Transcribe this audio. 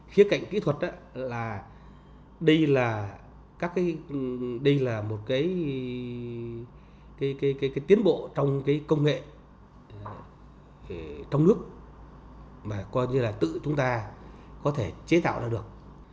khía cạnh kỹ thuật là đây là đây là một cái tiến bộ trong công nghệ trong nước mà coi như là tự chúng ta có thể chế tạo ra được